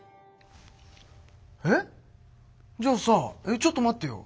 えっじゃあさちょっと待ってよ